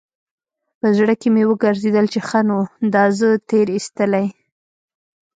په زړه کښې مې وګرځېدل چې ښه نو دا زه تېر ايستلى.